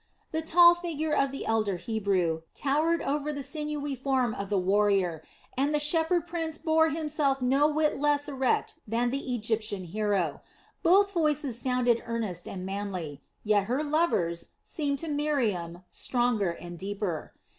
The tall figure of the elder Hebrew towered over the sinewy form of the warrior, and the shepherd prince bore himself no whit less erect than the Egyptian hero. Both voices sounded earnest and manly, yet her lover's seemed to Miriam stronger and deeper.